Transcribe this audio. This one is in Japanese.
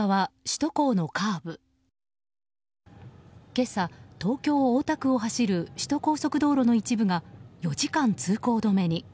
今朝、東京・大田区を走る首都高速道路の一部が４時間、通行止めに。